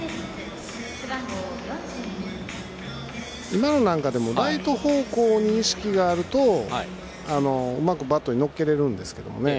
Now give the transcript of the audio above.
今のなんかもライト方向に意識があるとうまくバットに乗せられるんですけどね。